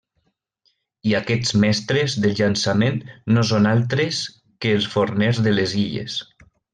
I aquests mestres del llançament no són altres que els foners de les illes.